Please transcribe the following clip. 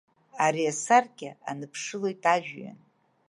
Ари асаркьа аныԥшылоит ажәҩан.